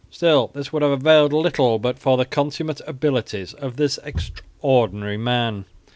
Still this would have availed little but for the consummate abilities of this extraordinary man.